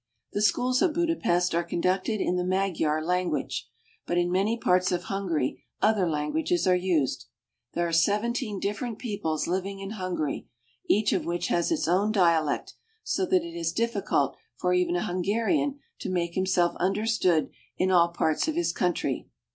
The schools of Budapest are conducted in the Magyar language, but in many parts of Hungary other languages are used. There are seventeen different peoples living in Hungary, each of which has its own dialect, so that it is Peasants. 300 AUSTRIA HUNGARY. difficult for even a Hungarian to make himself understood in all parts of his country.